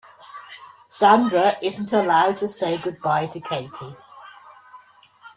Sandra isn't allowed to say goodbye to Katie.